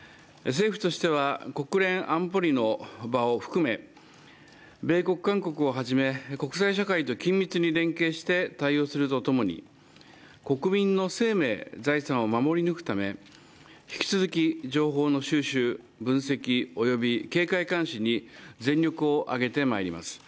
政府としては国連安保理の場を含め米国、韓国をはじめ国際社会と緊密に連携して対応するとともに、国民の生命、財産を守り抜くため引き続き情報の収集・分析及び警戒監視に全力を挙げてまいります。